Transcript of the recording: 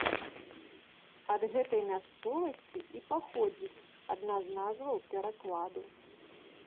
Ад гэтай мясцовасці і паходзіць адна з назваў перакладу.